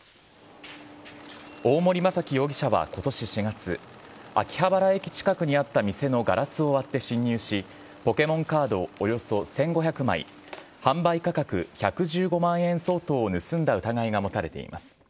大森正樹容疑者はことし４月、秋葉原駅近くにあった店のガラスを割って侵入し、ポケモンカードおよそ１５００枚、販売価格１１５万円相当を盗んだ疑いが持たれています。